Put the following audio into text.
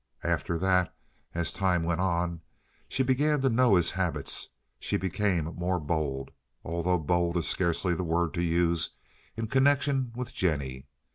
After that, as time went on and she began to know his habits, she became more bold—although bold is scarcely the word to use in connection with Jennie.